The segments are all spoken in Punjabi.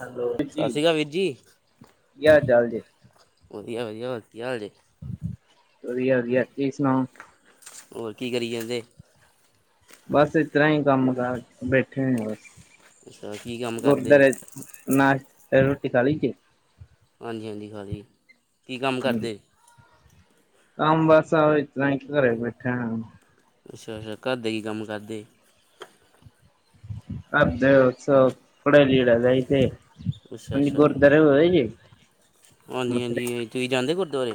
ਹੈਲੋ, ਸਤਿ ਜੀ ਸ਼੍ਰੀ ਅਕਾਲ ਵੀਰ ਜੀ ਕਿਆ ਹਾਲ -ਚਾਲ ਨੇ। ਵਧੀਆ- ਵਧੀਆ, ਹੋਰ ਕੀ ਹਾਲ ਜੇ। ਵਧੀਆ -ਵਧੀਆ, ਤੁਸੀ ਸੁਣਾਓ ਹੋਰ ਕੀ ਕਰੀ ਜਾਂਦੇ। ਬਸ ਇਤਰ੍ਹਾਂ ਹੀ ਕੰਮ ਕਾਰ, ਬੈਠੇ ਹੋਏ ਆਂ ਬਸ ਅੱਛਾ ਕੀ ਕੰਮ ਕਰਦੇ ਗੁਰਦਾਰੇ। ਨਾਸ਼ ਰੋਟੀ ਖਾਲੀ ਜੀ। ਹਾਂਜੀ- ਹਾਂਜੀ ਖਾ ਲੀ। ਕੰਮ ਬਸ ਆ, ਇਤਰ੍ਹਾਂ ਈ ਘਰੇ ਬੈਠਿਆ ਹੋਣਾ। ਅੱਛਾ -ਅੱਛਾ ਘਰ ਦੇ ਕੀ ਕੰਮ ਕਰਦੇ। ਘਰ ਦੇ ਬਸ ਕੱਪੜੇ ਲਿੜੇ ਦਾ ਈ ਤੇ। ਅੱਛਾ ਹਾਂਜੀ, ਅੱਛਾ ਗੁਰਦੁਆਰੇ ਹੋ ਆਏ ਜੀ। ਹਾਂਜੀ -ਹਾਂਜੀ, ਤੁਸੀਂ ਜਾਂਦੇ ਓ ਗੁਰਦੁਆਰੇ।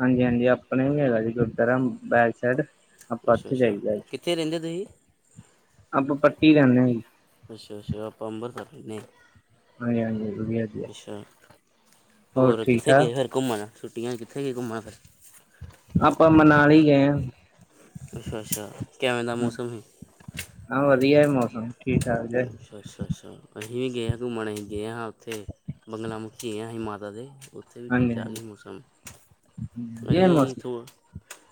ਹਾਂਜੀ -ਹਾਂਜੀ, ਆਪਣੇ ਵੀ ਹੈਗਾ ਜੀ ਗੁਰਦੁਆਰਾ ਬੈਰਸੈਡ। ਆਪਾਂ ਅੱਛਾ ਉੱਥੇ ਅੱਛਾ ਜਾਈਦਾ ਜੀ, ਕਿੱਥੇ ਰਹਿੰਦੇ ਤੁਸੀਂ ਆਪਾਂ ਪੱਕੀ ਰਹਿੰਦੇ ਆਂ ਜੀ। ਅੱਛਾ -ਅੱਛਾ, ਆਪਾਂ ਅੰਬਰਸ ਨੇ। ਹਾਂਜੀ -ਹਾਂਜੀ, ਵਧੀਆ ਜੀ। ਅੱਛਾ, ਹੋਰ ਕਿੱਥੇ ਠਾਕ ਗਏ ਫਿਰ ਘੁੰਮਣ, ਛੁੱਟੀਆਂ ਵਿੱਚ ਕਿੱਥੇ ਗਏ ਘੁੰਮਣ ਗਏ ਫਿਰ। ਆਪਾਂ ਮਨਾਲੀ ਗਏ ਹਾਂ। ਅੱਛਾ-ਅੱਛਾ, ਕਿਵੇਂ ਦਾ ਮੌਸਮ ਏ? ਹਾਂ, ਵਧੀਆ ਐ ਮੌਸਮ, ਠੀਕ-ਠਾਕ ਜਾ। ਅੱਛਾ-ਅੱਛਾ ਅਸੀਂ ਵੀ ਗਏ ਹਾਂ ਘੁੰਮਣ, ਅਸੀਂ ਗਏ ਹਾਂ ਉੱਥੇ ਬੰਗਲਾਮੁਖੀ ਗਏ ਅਸੀਂ ਮਾਤਾ ਦੇ ਉ ਉੱਥੇ ਵੀ ਹਾਂਜੀ ਠੀਕ-ਠਾਕ ਹਾਂਜੀ ਸੀ ਮੌਸਮ, ਵਧੀਆ ਅਸੀਂ ਮੌਸਮ ਇਥੋਂ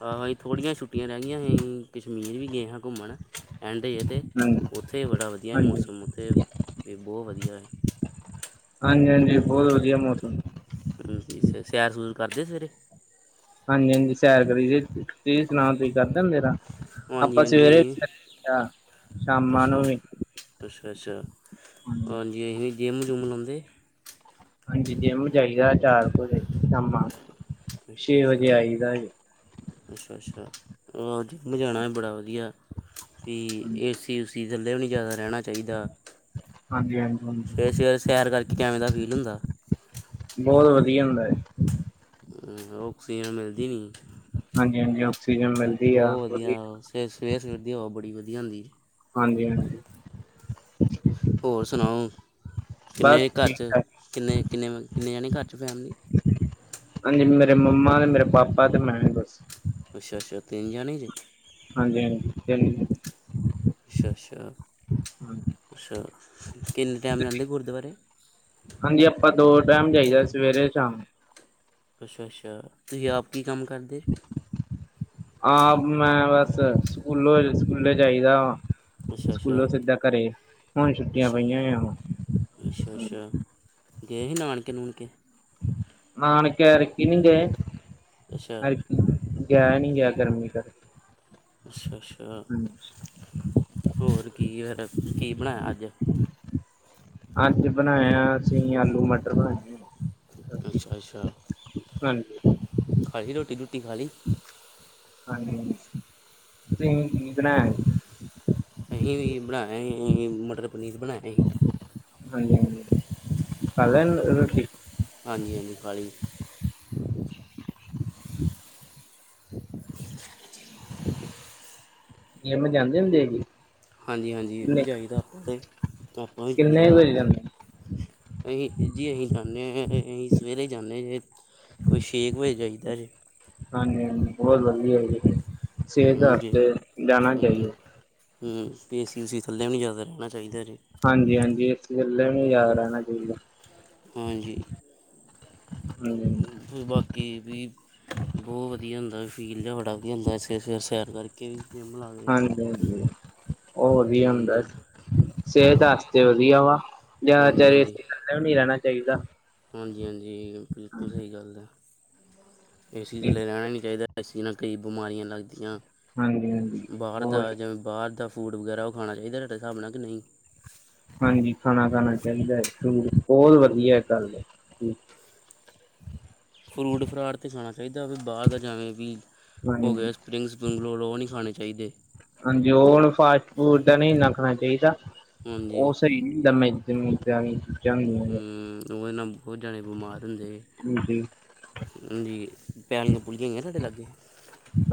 ਹਾਂ ਬਈ ਥੋੜੀਆਂ ਛੁੱਟੀਆਂ ਰਹਿੰਦੀਆਂ ਨੇ, ਕਸ਼ਮੀਰ ਵੀ ਗਏ ਹਾਂ ਘੁੰਮਣ। ਐਂਡਦੇ, ਏਥੇ ਹਾਂਜੀ ਉੱਥੇ ਬੜਾ ਵਧੀਆ ਹਾਂਜੀ ਮੌਸਮ, ਉੱਥੇ ਵੀ ਬਹੁ ਵਧੀਆ। ਹਾਂਜੀ, ਹਾਂਜੀ, ਬਹੁਤ ਵਧੀਆ ਮੌਸਮ। ਅ ਅੱਛਾ, ਸੈਰ-ਸੂਰ ਕਰਦੇ ਸਵੇਰੇ। ਹਾਂਜੀ-ਹਾਂਜੀ ਸੈਰ ਕਰੀਦੀ, ਤੁਸੀਂ ਸੁਣਾਓ ਤੁਸੀਂ ਕਰਦੇ ਹੁੁੁੰਦੇ ਸੈਰ, ਹਾਂਜੀ ਆਪਾਂ ਹਾਂਜੀ ਸਵੇਰੇ ਅਸੀਂ ਕਿਆ। ਅੱਛਾ, ਅ, ਅੱਛਾ- ਅੱਛਾ ਹਾਂਜੀ, ਅਸੀਂ ਜਿੰਮ-ਜੁੰਮ ਲਾਉਂਦੇ। ਹਾਂਜੀ, ਜਿੰਮ ਜਾਈਦਾ ਚਾਰ ਕ ਵਜੇ ਸ਼ਾਮਾਂ। ਅੱਛਾ- ਛੇ ਵਜੇ ਅੱਛਾ- ਆਈਦਾ ਜੀ ਅੱਛਾ- ਅੱਛਾ ਹੋਰ ਜਿੰਮ ਜਾਣਾ ਐ, ਬੜਾ ਵਧੀਆ। ਵੀ ਹਾਂਜੀ ਏਸੀ ਉਸੀ ਥੱਲੇ ਵੀ ਨਹੀਂ ਜ਼ਾਦਾ ਰਹਿਣਾ ਚਾਹੀਦਾ। ਹਾਂਜੀ ਸਵੇਰੇ- ਹਾਂਜੀ ਸਵੇਰੇ ਸੈਰ ਕਰਕੇ ਕਿਵੇਂ ਦਾ ਫੀਲ ਹੁੰਦਾ। ਬਹੁਤ ਵਧੀਆ ਹੁੰਦਾ। ਆਕਸੀਜਨ ਮਿਲਦੀ ਨਹੀਂ। ਹਾਂਜੀ, ਹਾਂਜੀ, ਆਕਸੀਜਨ ਮਿਲਦੀ ਆ। ਅਤੇ ਸਵੇਰ-ਸਵੇਰ ਦੀ ਹਵਾ ਬੜੀ ਵਧੀਆ ਹੁੰਦੀ। ਹਾਂਜੀ, ਹਾਂਜੀ। ਹੋਰ ਸੁਣਾਓ? ਬਸ ਕਿੰਨੇ ਘਰ ਠੀਕ ਚ ਠਾਕ ਕਿੰਨੇ, ਕਿੰਨੇ, ਕਿੰਨੇ ਜਾਣੇ ਘਰ 'ਚ ਫੈਮਲੀ। ਹਾਂਜੀ, ਮੇਰੇ ਮੰਮਾ ਤੇ, ਮੇਰੇ ਪਾਪਾ ਤੇ ਮੈਂ ਬਸ। ਅੱਛਾ, ਅੱਛਾ, ਤਿੰਨ ਜਾਣੇ ਜੇ। ਹਾਂਜੀ, ਹਾਂਜੀ। ਅੱਛਾ, ਅੱਛਾ, ਅੱਛਾ, ਕਿੰਨੇ ਟਾਈਮ ਜਾਂਦੇ ਗੁਰਦੁਆਰੇ? ਹਾਂਜੀ, ਆਪਾਂ ਦੋ ਟਾਈਮ ਜਾਈਦਾ ਸਵੇਰੇ, ਸ਼ਾਮ। ਅੱਛਾ, ਅੱਛਾ, ਤੁਸੀਂ ਆਪ ਕੀ ਕੰਮ ਕਰਦੇ? ਆਹ, ਮੈਂ ਬਸ ਸਕੂਲੋਂ ਸਕੂਲੇ ਜਾਈਦਾ ਵਾਂ। ਅੱਛਾ ਅੱਛਾ ਸਕੂਲੋਂ ਸਿੱਧਾ ਘਰੇ, ਹੁਣ ਛੁੱਟੀਆਂ ਅੱਛਾ ਪਈਆਂ। ਅੱਛਾ, ਅੱਛਾ, ਗਏ ਸੀ ਨਾਨਕੇ-ਨੂਣਕੇ? ਨਾਨਕੇ ਐਤਕੀ ਨਹੀਂ ਗਏ, ਅੱਛਾ ਐਰਕ। ਗਿਆ ਨਹੀਂ ਗਿਆ, ਗਰਮੀ ਕਰਕੇ। ਅੱਛਾ, ਅੱਛਾ, ਹੋਰ ਕੀ? ਫਿਰ, ਕੀ ਬਣਾਇਆ ਅੱਜ? ਅੱਜ ਬਣਾਇਆ, ਅਸੀਂ ਆਲੂ-ਮਟਰ ਬਣਾਏ। ਸਬਜ਼ੀ ਅੱਛਾ, ਅੱਛਾ, ਹਾਂਜੀ ਖਾਲੀ ਰੋਟੀ-ਰੂਟੀ ਖਾਲੀ? ਹਾਂਜੀ, ਤੁਸੀ ਕੀ ਬਣਾਇਆ? ਅਸੀਂ ਵੀ ਬਣਾਇਆ, ਹੀ ਮਟਰ ਪਨੀਰ ਬਣਾਇਆ ਹੀ। ਹਾਂਜੀ, ਹਾਂਜੀ, ਖਾਲੀ ਰੋਟੀ। ਹਾਂਜੀ, ਹਾਂਜੀ, ਖਾਲੀ। [unintelligible] ਛੇਤੀ-ਛੇਤੀ ਜਿਮ ਹੋਈ? ਜਿਮ ਜਾਂਦੇ ਹੁੰਦੇ ਹੀ। ਹਾਂਜੀ, ਹਾਂਜੀ, ਜਾਂਇਦਾ ਆਪਾਂ ਤੇ ਆਪਾਂ ਵੀ ਕਿੰਨੇ ਚਾਹੀਦਾ। ਵਜੇ ਜਾਂਦੇ ਅਹੀ ਜੀ, ਅਸੀਂ ਜਾਂਦੇ ਹਾਂ, ਅਸੀਂ ਸਵੇਰੇ ਜਾਂਦੇ ਹਾਂ ਜੀ। ਕੋਈ ਛੇ ਕੁ ਵਜੇ ਜਾਈਦਾ ਜੇ। ਹਾਂਜੀ, ਹਾਂਜੀ, ਬਹੁਤ ਵਧੀਆ ਹੈਗੀ ਸਿਹਤ ਜਿਮ ਵਾਸਤੇ ਜਾਣਾ ਹੂੰ ਚਾਹੀਦਾ। ਹੂੰ ਏਸੀ ਉਸੀ ਥੱਲਿਆਂ ਵੀ ਜ਼ਿਆਦਾ ਰਹਿਣਾ ਚਾਹੀਦਾ ਜੇ। ਹਾਂਜੀ, ਹਾਂਜੀ, ਇੱਥੇ ਵੱਲੇ ਵੀ ਯਾਦ ਰਹਿਣਾ ਚਾਹੀਦਾ। ਹਾਂਜੀ ਵਿ ਬਕ ਕਿ ਵੀ ਬਹੁਤ ਵਧੀਆ ਹੁੰਦਾ ਫੀਲ ਜਿਹਾ ਬੜਾ ਵਧੀਆ ਹੁੰਦਾ, ਇਸ ਸਿਰ ਸੈਰ ਕਰਕੇ। ਵੀ ਜਿਮ ਲਾ ਕੇ ਹਾਂਜੀ-ਹਾਂਜੀ, ਔ ਵਧੀਆ ਹੁੰਦਾ। ਹਾਂਜੀ ਹਾਂਜੀ ਸਿਹਤ ਵਾਸਤੇ ਵਧੀਆ ਵਾ ਹਾਂਜੀ ਜ਼ਿਆਦਾਤਰ ਏਸੀ ਥੱਲੇ ਵੀ ਨਹੀਂ ਰਹਿਣਾ ਚਾਹੀਦਾ। ਹਾਂਜੀ ਹਾਂਜੀ ਬਿਲਕੁਲ ਸਹੀ ਗੱਲ ਹੈ ਏਸੀ ਹਾਂਜੀ ਥੱਲੇ ਰਹਿਣਾ ਹੀ ਨਹੀਂ ਚਾਹੀਦਾ ਏਸੀ ਨਾਲ ਕਈ ਬਿਮਾਰੀਆਂ ਲੱਗਦੀਆਂ ਹਾਂਜੀ ਬਾਹਰ ਦਾ ਬਹੁਤ ਜਿਵੇਂ ਬਾਹਰ ਦਾ ਫੂਡ ਵਗੈਰਾ ਉਹ ਖਾਣਾ ਚਾਹੀਦਾ ਤੁਹਾਡੇ ਹਾਿਸਬ ਨਾਲ ਕਿ ਨਹੀਂ ਹਾਂਜੀ ਖਾਣਾ ਖਾਣਾ ਚਾਹੀਦਾ ਹੈ। ਫਰੂਟ ਬਹੁਤ ਵਧੀਆ ਗੱਲ ਫਰੂਟ, ਫਰਾਡ 'ਤੇ ਖਾਣਾ ਚਾਹੀਦਾ, ਵੀ ਬਾਹਰ ਦਾ ਜਿਵੇਂ ਵੀ ਹੋ ਹਾਂਜੀ ਗਿਆ ਸਪਰਿੰਗ-ਸਪਰਿੰਗ ਨਹੀਂ ਖਾ। ਖਾਣੇ ਚਾਹੀਦੇ, ਹਾਂਜੀ, ਉਹ ਹੁਣ ਫਾਸਟ-ਫੂਡ ਦਾ ਨਹੀਂ ਇੰਨਾ ਖਾਣਾ ਚਾਹੀਦਾ। ਹਾਂਜੀ ਉਹ ਸਹੀ [unintelligible] ਨੇ ਉਹਦੇ ਨਾਲ ਬਹੁਤ ਜਣੇ ਬਿਮਾਰ ਹੁੰਦੇ। ਹਾਂਜੀ ਹਾਂਜੀ, ਪਹਿਲੀਆਂ ਭੁੱਲੀਆਂ ਹੈਗੀਆਂ ਤੁਹਾਡੇ ਲਾਗੇ।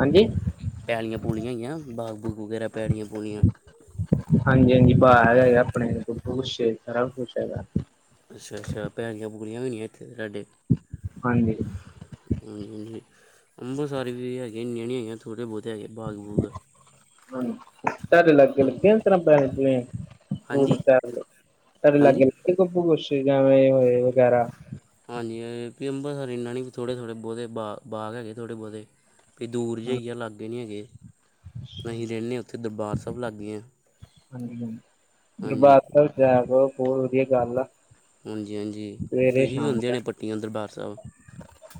ਹਾਂਜੀ ਪਿਆਲੀਆਂ-ਪੂਲੀਆਂ ਹੈਗੀਆਂ, ਬਾਗ-ਬੂਗ ਵਗੈਰਾ ਪਿਆਲੀਆਂ-ਪੂਲੀਆਂ। ਹਾਂਜੀ, ਹਾਂਜੀ, ਬਾਹਰ ਹੈਗਾ, ਆਪਣੇ ਬੱਬੂ, ਗੁੱਛੇ ਸਾਰਾ ਕੁਝ ਹੈਗਾ। ਅੱਛਾ, ਅੱਛਾ, ਪੈਲੀਆਂ-ਪੂਲੀਆਂ ਵੀ ਹੋਣੀਆਂ ਇੱਥੇ ਤੁਹਾਡੇ? ਹਾਂਜੀ, ਹ ਅੰਬਰ ਸਾਰ ਵੀ ਹੈਗੀਆਂ, ਇਨੀਆਂ ਨਹੀਂ ਹੈਗੀਆਂ। ਥੋੜੇ ਬਹੁਤ ਹੈ ਬਾਗ ਬੂਗ ਹਾਂਜੀ ਹਾਂਜੀ [inaudible] ਹਾਂਜੀ [inaudible] ਹਾਂਜੀ ਵੀ ਅੰਮ੍ਰਿਸਰ ਇੰਨਾ ਨਹੀਂ ਥੋੜ੍ਹੇ ਥੋੜ੍ਹੇ ਬਹੁਤੇ ਬਾਗ ਹੈਗੇ ਥੋੜ੍ਹੇ ਬਹੁਤੇ ਵੀ ਦੂਰ ਜਹੀ ਆ ਲਾਗੇ ਨਹੀਂ ਹੈਗੇ ਹਾਂਜੀ ਅਸੀਂ ਰਹਿੰਦੇ ਹਾਂ ਉੱਥੇ ਦਰਬਾਰ ਸਾਹਿਬ ਲਾਗੇ ਹਾਂ। ਹਾਂਜੀ ਹਾਂ ਹਾਂਜੀ ਦਰਬਾਰ ਸਾਹਿਬ ਕੋਲ ਬਹੁਤ ਵਧੀਆ ਗੱਲ ਆ। ਹਾਂਜੀ ਹਾਂਜੀ ਸਵੇਰੇ ਤੁਸੀਂ ਵੀ ਸ਼ਾਮ ਆਉਂਦੇ ਹੋ ਦਾ। ਨੇ ਪੱਟੀਆਂ ਦਰਬਾਰ ਸਾਹਿਬ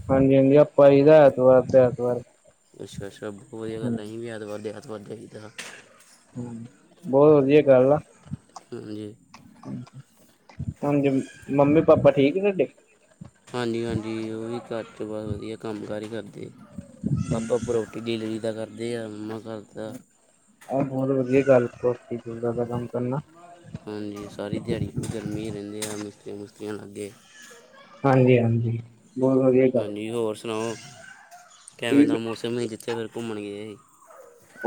ਹਾਂਜੀ ਹਾਂਜੀ ਆਪਾਂ ਹੀ ਐਤਵਾਰ ਤੇ ਐਤਵਾਰ ਅੱਛਾ ਅੱਛਾ ਬਹੁਤ ਵਧੀਆ ਗੱਲ ਹੈ। ਅਸੀਂ ਵੀ ਐਤਵਾਰ ਦੇ ਐਤਵਾਰ ਜਾਈਦਾ, ਹਮ ਬਹੁਤ ਵਧੀਆ ਗਲ ਆ ਹਾਂਜੀ ਹਾਂਜੀ ਮੰਮੀ ਪਾਪਾ ਠੀਕ ਤੁਹਾਡੇ ਹਾਂਜੀ ਹਾਂਜੀ ਉਹ ਵੀ ਘਰ ਚ ਬਹੁਤ ਵਧੀਆ ਕੰਮ ਕਾਰ ਹੀ ਕਰਦੇ ਆਪਾ ਪਰੋ ਲੀ ਤਾਂ ਕਰਦੇ ਆ ਮੰਮਾ ਕਰ ਇਹ ਹੋਰ ਵਧੀਆ ਗੱਲ ਸਦਾ ਕੰਮ ਕਰਨਾ ਹਾਂਜੀ ਸਾਰੀ ਦਿਹਾੜੀ ਵੀ ਗਰਮੀ ਰਹਿੰਦੀ ਆ ਮਿਸਤਰੀ ਮਿਸਤਰੀ ਲਗੇ ਹਾਂਜੀ ਹਾਂਜੀ ਬਹੁਤ ਵਧੀਆ ਗੱਲ ਹਾਂਜੀ ਹੋਰ ਸੁਣਾਓ ਕਿਵੇਂ ਦਾ ਮੌਸਮ ਸੀ ਜਿੱਥੇ ਫਿਰ ਘੁੰਮਣ ਗਏ ਸੀ।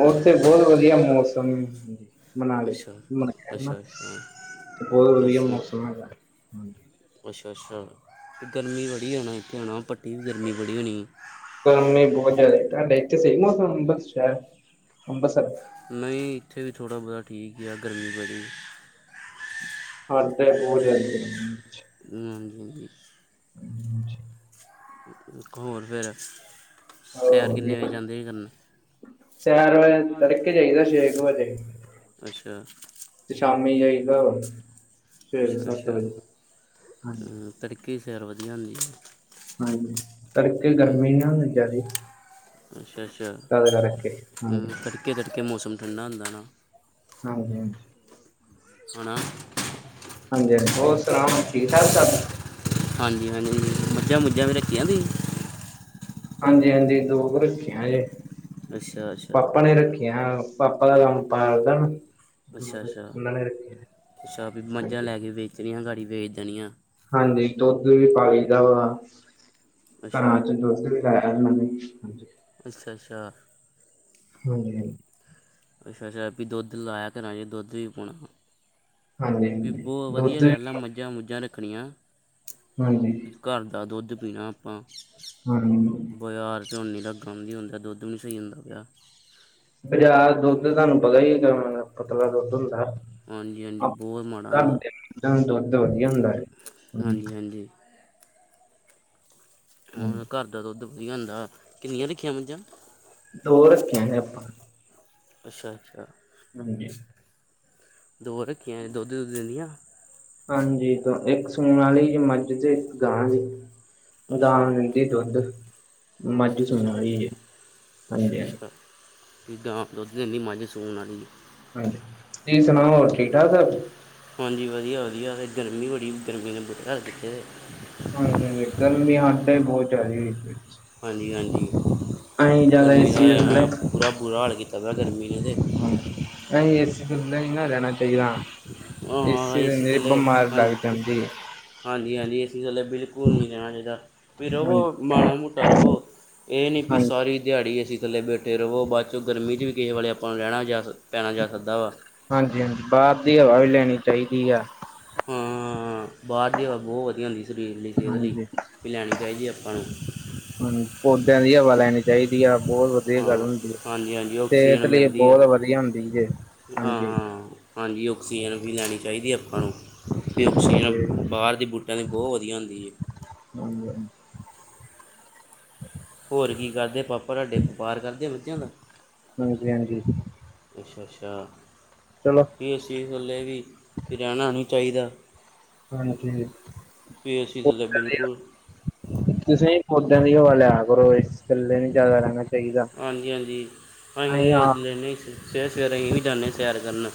ਉੱਥੇ ਬਹੁਤ ਵਧੀਆ ਮੌਸਮ ਹਾਂਜੀ ਮਨਾਲੀ ਅੱਛਾ ਅੱਛਾ ਅੱਛਾ ਬੋਤ ਵਧੀਆ ਅੱਛਾ ਮੌਸਮ ਹੈਗਾ ਅੱਛਾ ਅੱਛਾ ਗਰਮੀ ਬੜੀ ਹੋਣਾ ਇੱਥੇ ਹੋਣਾ ਭੱਟੀ ਵੀ ਗਰਮੀ ਬੜੀ ਹੋਣੀ ਗਰਮੀ ਬੋਤ ਜਯਦਾ ਤੁਹਾਡੇ ਏਥੇ ਸਾਹੀ ਮੌਸਮ ਅੰਬਰਸਰ ਨਹੀਂ ਇੱਥੇ ਥੋੜਾ ਬਹੁਤਾ ਠੀਕ ਗਿਆ ਗਰਮੀ ਬੜੀ [inaudible] ਹਮ ਹਜੀ ਹੋਰ ਫਿਰ ਸੈਰ ਕਿਨੇ ਵਜੇ ਜਾਂਦੇ ਕਰਨ ਸੈ ਤੜਕੇ ਜਾਈਦਾ ਛੇ ਕੁ ਵਜੇ ਅੱਛਾ ਤੇ ਸ਼ਾਮੀ ਜਾਈਗਾ ਵਾ ਸਵੇਰ ਅੱਛਾ ਸੱਤ ਅੱਛਾ ਵਜੇ ਹਾਂਜੀ ਹਮ, ਤੜਕੇ ਸੈਰ ਵਧੀਆ ਹੁੰਦੀ। ਹਾਂਜੀ ਸੜਕ ਹਾਂਜੀ ਗਰਮੀ ਹਾ ਜਾਦੀ ਅੱਛਾ ਅੱਛਾ ਹਮ, [inaudible] ਤੜਕੇ ਤੜਕੇ ਮੌਸਮ ਠੰਡਾ ਹੁੰਦਾ ਨਾ ਹਾਂਜੀ ਹਾਂ ਹਣਾ ਹਾਂਜੀ ਹਾਂਜੀ ਹੋਰ ਸੁਣਾਓ ਠੀਕ ਠਾਕ ਸ ਹਾਂਜੀ ਹਾਂਜੀ ਮੱਝਾਂ ਮੁੱਝਾਂ ਵੀ ਰੱਖੀਆਂ ਸੀ। ਹਾਂਜੀ ਹਾਂਜੀ ਦੋ ਕੁ ਰੱਖੀਆਂ ਜੇ ਅੱਛਾ ਅੱਛਾ ਪਾਪਾ ਨੇ ਰੱਖੀਆਂ ਪਾਪਾ ਦਾ ਕੰਮ ਪਾਲਦਾ ਅੱਛਾ ਅੱਛਾ ਉਹਨਾਂ ਨੇ ਰੱਖਿਆ ਅੱਛਾ ਵੀ ਮੱਝਾਂ ਹਾਂਜੀ ਲੈ ਕੇ ਵੇਚਣੀਆਂ ਗਾਡੀ ਵੇਚ ਦੇਣੀਆ ਹਾਂਜੀ ਦੁੱਧ ਵੀ ਪਾਈ ਦਾ ਵਾ ਅੱਛਾ ਘਰਾਂ ਚ ਦੁੱਧ ਵੀ [inaudible] ਅੱਛਾ ਅੱਛਾ ਹਾਂਜੀ ਹਾਂਜੀ ਅੱਛਾ ਅੱਛਾ ਵੀ ਦੁਧ ਲਾਇਆ ਕਰਾ ਚ ਦੁੱਧ ਵੀ ਪਉਣਾ ਹਾਂਜੀ ਏ ਹਾਂਜੀ ਬੋ ਵਧੀਆ ਦੁੱਧ ਵੀ ਗੱਲ ਆ ਮੱਝਾਂ ਮੁੱਝਾਂ ਰੱਖਣੀਆਂ ਹਾਂਜੀ ਘਰ ਦਾ ਦੁੱਧ ਪੀਣਾ ਆਪਾਂ ਹਾਂਜੀ ਬਾਜ਼ਾਰ ਝੋਨੇ ਦਾ ਕੰਮ ਨਹੀਂ ਹੁੰਦਾ ਦੁੱਧ ਨੀ ਸਹੀ ਹੁੰਦਾ ਪਿਆ ਬਾਜ਼ਾਰ ਦਾ ਦੁੱਧ ਤੁਹਾਨੂੰ ਪਤਾ ਹੀ ਕਿੰਨਾਪਤਲਾ ਦੁੱਧ ਹੁੰਦਾ ਹਾਂਜੀ ਹਾਂਜੀ ਬਹੁਤ ਮਾੜਾ ਹੁੰਦਾ। ਤੁਹਾਡੇ ਕੋਲ ਦੁੱਧ ਵਧੀਆ ਹੁੰਦਾ ਵਧੀਆ ਹੁੰਦਾ। ਹਾਂਜੀ ਹਾਂਜੀ ਹਾਂਜੀ ਘਰ ਦਾ ਦੁੱਧ ਵਧੀਆ ਹੁੰਦਾ ਹੈ ਤੁਸੀਂ ਨਹੀਂ ਰੱਖੀਆਂ ਦੋ ਰੱਖਿਆ ਹੈ ਆਪਾਂ ਅੱਛਾ ਅੱਛਾ ਹਾਂਜੀ ਦੋ ਰੱਖੀਆਂ ਦੁੱਧ ਦੁੱਧ ਦਿੰਦੀਆਂ ਹਾਂਜੀ ਇੱਕ ਸੁਣ ਵਾਲੀ ਮੱਝ ਇੱਕ ਗਾ ਏ ਗਾਂ ਅੱਛਾ ਦਿੰਦੀ ਹੈ ਦੁੱਧ ਤੇ ਮੱਝ ਅੱਛਾ ਸੂਣ ਅੱਛਾ ਵਾਲੀ ਹੈ। ਗਾਂ ਦੁੱਧ ਦਿੰਦੀ ਹੈ ਤੇ ਮੱਝ ਸੂਣ ਵਾਲੀ ਹਾਂਜੀ ਤੁਸੀਂ ਸੁਣਾਓ ਹੋਰ ਠੀਕ ਠਾਕ। ਹਾਂਜੀ ਵਧੀਆ ਵਧੀਆ ਅਤੇ ਗਰਮੀ ਬੜੀ ਗਰਮੀ ਦਿੱਤੇ ਹਾਂਜੀ ਹਾਂਜੀ ਗਰਮੀ ਸਾਡੇ ਬਹੁਤ ਜ਼ਿਆਦੀ ਹਾਂਜੀ ਹਾਂਜੀ ਗਰਮੀ ਏਸੀ ਦੇ ਥੱਲੇ ਦਾ ਪੂਰਾ ਬੁਰਾ ਹਾਲ ਕੀਤਾ ਪ ਗਰਮੀ ਨੇ ਏਸੀ ਥੱਲੇ ਨਹੀ ਰਹਿਣਾ ਚਾਹੀਦਾ ਹਾਂ ਹਾਂ ਦੇ ਏਸੀ ਅੰਦਰ ਥੱਲੇ ਬਿਮਾਰ ਹਾਂਜੀ ਲੱਗ ਜਾਂਦੀ ਹੈ ਹਾਂਜੀ ਹਾਂਜੀ ਅਸੀਂ ਥੱਲੇ ਬਿਲਕੁਲ ਨਹੀਂ ਰਹਿਣਾ ਚਾਹੀਦਾ ਰਵੋ ਹਾਂਜੀ ਮਾੜਾ ਮੁਟਾ ਰਵੋ ਇਹ ਨਹੀਂ ਵੀ ਹਾਂਜੀ ਸਾਰੀ ਦਿਹਾੜੀ ਏਸੀ ਥੱਲੇ ਬੈਠੇ ਰਵੋ ਬਾਕੀ ਸੋ ਗਰਮੀ ਚ ਵੀ ਕਿਸੇ ਵਾਲੇ ਆਪਾਂ ਨੂੰ ਆਪਾਂ ਨੂੰ ਪੈਣਾ ਜਾ ਸਕਦਾ ਹੈ। ਜਾ ਸਕਦਾ ਵਾ ਹਾਂਜੀ ਹਾਂਜੀ ਬਾਹਰ ਦੀ ਹਵਾ ਵੀ ਲੈਣੀ ਚਾਹੀਦੀ ਆ ਹਾਂ ਬਾਹਰ ਦੀ ਹਵਾ ਬਹੁਤ ਵਧੀਆ ਹੁੰਦੀ ਸਰੀਰ ਲਈ ਸਿਹਤ ਲਈ ਹਾਂਜੀ ਵੀ ਲੈਣੀ ਚਾਹੀਦੀ ਹੈ ਆਪਾਂ ਨੂੰ ਹਾਂਜੀ ਪੌਦਿਆਂ ਦੀ ਹਵਾ ਲੈਣੀ ਚਾਹੀਦੀ ਆ ਬਹੁਤ ਵੀਆ ਵਧੀਆ ਹਾਂ ਗੱਲ ਹੁੰਦੀ ਹੈ ਹਾਂਜੀ ਹਾਂਜੀ ਆਕਸੀਜਨ ਸਿਹਤ ਲਈ ਮਿਲਦੀ ਆ ਬਹੁਤ ਵਧੀਆ ਹੁੰਦੀ ਜ ਹਾਂ ਹਾਂਜੀ ਹਾਂ ਹਾਂਜੀ ਔਕਸੀਜਨ ਵੀ ਲੈਣੀ ਚਾਹੀਦੀ ਹੈ ਆਪਾਂ ਹਾਂਜੀ ਨੂੰ ਬਾਹਰ ਦੀ ਬੂਟਾਂ ਦੀ ਬਹੁਤ ਵਧੀਆ ਹੁੰਦੀ ਹੈ ਹਾਂ ਹੋਰ ਕੀ ਕਰਦੇ ਪਾਪਾ ਤੁਹਾਡੇ ਵਪਾਰ ਕਰਦੇ ਬੱਚਿਆਂ ਦਾ ਹਾਂਜੀ ਹਾਂਜੀ ਅੱਛਾ ਅੱਛਾ ਚਲੋ ਏਸੀ ਥੱਲੇ ਵੀ ਰਹਿਣਾ ਨਹੀਂ ਚਾਹੀਦਾ ਹਾਂਜੀ ਵੀ ਅਸੀਂ ਥੱਲੇ ਬਿਲਕੁਲ ਤੁਸੀਂ ਪੌਦਿਆਂ ਦੀ ਹਵਾ ਲਿਆ ਕਰੋ ਏਸੀ ਥੱਲੇ ਨੀ ਜ਼ਿਆਦਾ ਰਹਿੰਦਾ ਹਾਂਜੀ ਹਾਂਜੀ ਅਸੀਂ ਤੇ ਆਪ ਲੈਂਦੇ ਸਵੇਰੇ ਸਵੇਰੇ ਅਸੀਂ ਵੀ ਜਾਂਦੇ ਹ ਸੈਰ ਕਰਨ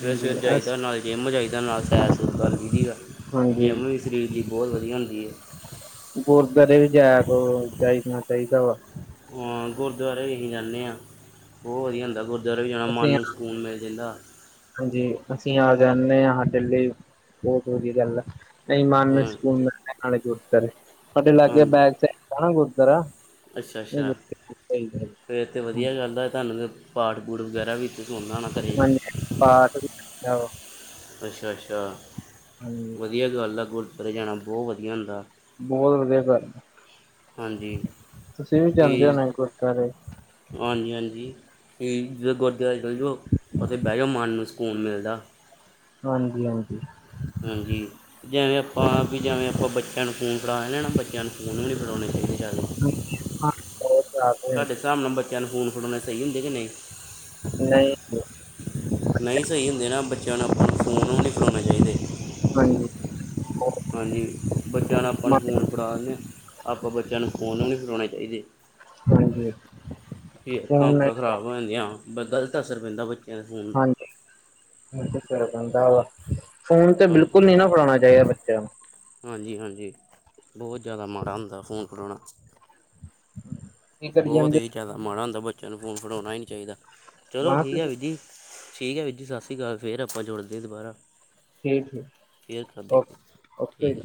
ਫਿਰ ਸਵੇਰੇ ਹਾਂਜੀ ਅਸ ਜਾਈਦਾ ਨਾਲ ਜਿੰਮ ਜਾਈਦਾ, ਨਾਲ ਸੈਰ ਸੂਰ ਕਰ ਆਈਦਾ। ਅਤੇ ਹਾਂਜੀ ਜਿਮ ਵੀ ਸਰੀਰ ਲਈ ਬਹੁਤ ਵਧੀਆ ਹੁੰਦੀ ਹੈ। ਗੁਰਦੁਆਰੇ ਵੀ ਜਾਏ ਆ ਕਰੋ, ਜਾਈ ਜਾਣਾ ਚਾਹੀਦਾ ਵਾ। ਹਾਂ ਗੁਰਦੁਆਰੇ ਵੀ ਅਸੀਂ ਜਾਂਦੇ ਹਾਂ ਬਹੁਤ ਵਧੀਆ ਹੁੰਦਾ ਗੁਰਦੁਆਰੇ ਵੀ ਜਾਣਾ ਅਸੀਂ ਮਨ ਸਕੂਨ ਮਿਲ ਜਾਂਦਾ ਹਾਂਜੀ ਅਸੀਂ ਆ ਜਾਂਦੇ ਹਾਂ ਸਾਡੇ ਲਈ ਬਹੁਤ ਵਧੀਆ ਗੱਲ ਆ ਨਹੀਂ ਮਨ ਨੂੰ ਹਾਂ ਸਕੂਨ ਮਿਲ ਜਾਂਦਾ ਹੈ ਗੁਰਦੁਆਰੇ ਜਾ ਕੇ ਸਾਡੇ ਗਵਾਂਡ ਹਾਂ ਵਿੱਚ ਹੀ ਹੈ ਗੁਰਦੁਆਰਾ ਅੱਛਾ ਅੱਛਾ ਫਿਰ ਤਾਂ ਵਧੀਆ ਚੱਲਦਾ ਤੁਹਾਨੂੰ ਪਾਠ ਪੂਠ ਵਗੈਰਾ ਵੀੱ ਸਣਂਦਾ ਹੋਣਾ ਘਰ ਹਾਂਜੀ ਪਾਠ ਵੀ ਆ ਅੱਛਾ ਅੱਛਾ ਹਾਂਜੀ ਵਧੀਆ ਗੱਲ ਆ ਗੁਰਦੁਆਰੇ ਜਾਣਾ ਬਹੁਤ ਵਧੀਆ ਹੁੰਦਾ। ਬਹੁਤ ਵਧੀਆ ਗੱਲ ਹਾਂਜੀ ਐ, ਤੁਸੀਂ ਵੀ ਜਾਂਦੇ ਹੋ ਨਾ ਗੁਰਦੁਆਰੇ। ਹਾਂਜੀ-ਹਾਂਜੀ ਜੀ, ਗੁਰਦੁਆਰੇ ਚੱਲ ਜਾਓ, ਉੱਥੇ ਬਹਿ ਜਾਓ ਮਨ ਨੂੰ ਸਕੂਨ ਮਿਲਦਾ। ਹਾਂਜੀ, ਹਾਂਜੀ। ਹਾਂਜੀ, ਜਿਵੇਂ ਆਪਾਂ ਵੀ ਜਿਵੇਂ, ਆਪਾਂ ਬੱਚਿਆਂ ਨੂੰ ਫੋਨ ਫੜਾ ਲੈਣਾ ਬੱਚਿਆਂ ਨੂੰ ਫੋਨ ਵੀ ਨਹੀਂ ਫੜਾਉਣੇ ਚਾਹੀਦੇ ਜਿਆਦਾ। [unintelligible] ਤੁਹਾਡੇ ਹਿਸਾਬ ਨਾਲ ਬੱਚਿਆਂ ਨੂੰ ਫ਼ਨ ਫੜੋਉਣੇ ਸਹੀ ਹੁੰਦੇ ਕਿ ਨਹੀਂ? ਨਹੀਂ, ਨਹੀਂ ਸਹੀ ਹੁੰਦੇ, ਨਾ ਬੱਚਿਆਂ ਨੂੰ ਆਪ ਫੋਨ ਨਹੀਂ ਫੜਾਉਣੇ ਚਾਹੀਦੇ। ਹਾਂਜੀ, ਹਾਂਜੀ ਬੱਚਿਆਂ ਨੂੰ ਆਪਾਂ ਨੂੰ ਮੈਂ- ਫੋਨ ਫੜਾ ਦਿੰਦੇ, ਹਾਂ ਆਪਾਂ ਬੱਚਿਆਂ ਨੂੰ ਫੋਨ ਨੂੰ ਨਹੀਂ ਫੜਾਉਣੇ ਚਾਹੀਦੇ। ਹਾਂਜੀ, ਅੱਖਾਂ ਫੋਨ ਨਹੀਂ, ਅੱਖਾਂ ਖਰਾਬ ਹੋ ਜਾਂਦੀਆਂ, ਗ਼ਲਤ ਅਸਰ ਪੈਂਦਾ ਬੱਚਿਆਂ ਦੇ ਫੋਨ ਦਾ। ਦਾ ਫੋਨ ਤੇ ਹਾਂਜੀ ਬਿਲਕੁਲ ਨੀ ਨਾ ਫੜ੍ਹਾਉਣਾ ਚਾਹੀਦਾ ਬੱਚਿਆਂ ਨੂੰ, ਹਾਂਜੀ, ਹਾਂਜੀ ਬਹੁਤ ਜ਼ਿਆਦਾ ਮਾੜਾ ਹੁੰਦਾ ਫ਼ੋਨ ਫੜਾਣਾ। ਕੀ ਕਰੀ ਬਹੁਤ ਜਾਂਦੇ ਹੀ ਜ਼ਿਆਦਾ ਮਾੜਾ ਹੁੰਦਾ, ਬੱਚਿਆਂ ਨੂੰ ਫੋਨ ਫੜੋਉਣਾ ਹੀ ਨਹੀਂ ਚਾਹੀਦਾ ਚਲੋ ਮੈਂ ਕਿਹਾ ਠੀਕ ਹੈ, ਤੁਸੀਂ ਵੀਰ ਜੀ। ਠੀਕ ਹੈ, ਵੀਰ ਜੀ ਸਤਿ ਸ੍ਰੀ ਅਕਾਲ ਫੇਰ ਆਪਾਂ ਜੁੜਦੇ ਦੁਬਾਰਾ। ਠੀਕ ਠੀਕ ਫੇਅਰ ਕਰਦੇ ਓਕੇ ਆਪ ਓਕੇ ਠੀਕ ਜੀ। ਹੈ,